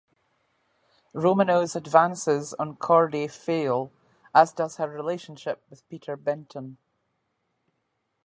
Romano's advances on Corday fail, as does her relationship with Peter Benton.